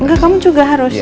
enggak kamu juga harus